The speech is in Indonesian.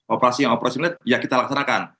operasi yang operasi militer ya kita laksanakan